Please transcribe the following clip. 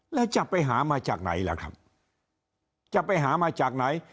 แล้วจะไปหามาจากไหนล่ะครับจะไปหามาจากไหน